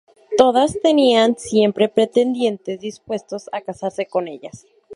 Todas tenían siempre pretendientes dispuestos a casarse con ellas.